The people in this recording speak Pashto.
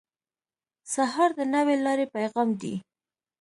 سهار د نوې لارې پیغام دی.